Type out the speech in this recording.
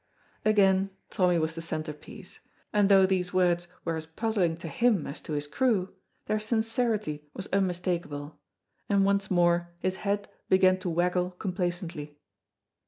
Again Tommy was the centre piece, and though these words were as puzzling to him as to his crew, their sincerity was unmistakable, and once more his head began to waggle complacently.